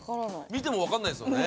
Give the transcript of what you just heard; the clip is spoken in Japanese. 見てもわかんないすよね？